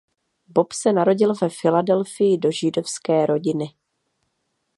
Bob se narodil ve Filadelfii do židovské rodiny.